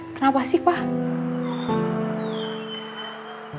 kenapa sih pak